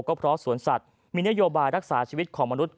ก็เพราะสวนสัตว์มีนโยบายรักษาชีวิตของมนุษย